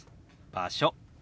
「場所」。